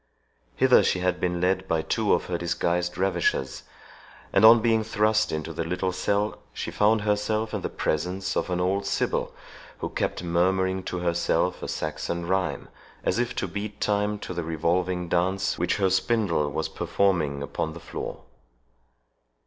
Hither she had been led by two of her disguised ravishers, and on being thrust into the little cell, she found herself in the presence of an old sibyl, who kept murmuring to herself a Saxon rhyme, as if to beat time to the revolving dance which her spindle was performing upon the floor.